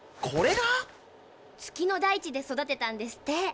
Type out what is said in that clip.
これが⁉月の大地で育てたんですって。